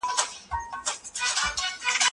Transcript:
زه چي نه ژړېږم د پانوس رنګیني تللې وي